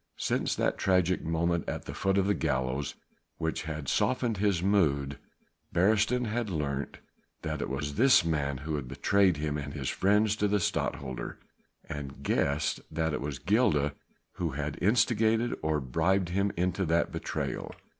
Since that tragic moment at the foot of the gallows which had softened his mood, Beresteyn had learnt that it was this man who had betrayed him and his friends to the Stadtholder, and guessed that it was Gilda who had instigated or bribed him into that betrayal.